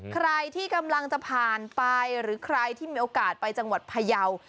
ใครที่กำลังจะผ่านไปหรือใครที่มีโอกาสไปจังหวัดพยาว